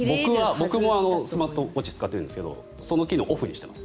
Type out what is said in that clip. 僕もスマートウォッチを使っているんですがその機能をオフにしています。